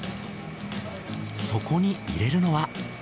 そこに入れるのは。